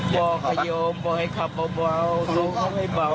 บอกโยงบอกให้ขับเบาเท่านั้นเขาให้เบา